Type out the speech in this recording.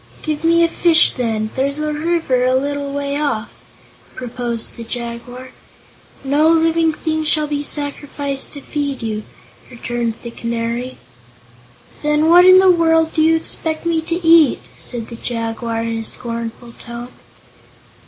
"Give me a fish, then; there's a river a little way off," proposed the Jaguar. "No living thing shall be sacrificed to feed you," returned the Canary. "Then what in the world do you expect me to eat?" said the Jaguar in a scornful tone.